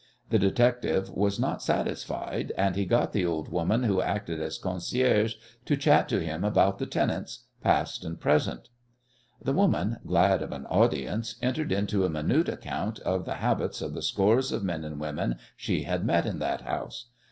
The detective was not satisfied, and he got the old woman who acted as concierge to chat to him about the tenants, past and present. The woman, glad of an audience, entered into a minute account of the habits of the scores of men and women she had met in that house.